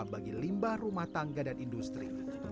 bagi limbah rumah tangga dan industri